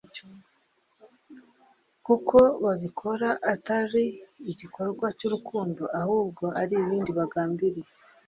kuko babikora atari igikorwa cy’urukundo ahubwo hari ibindi bagambiriye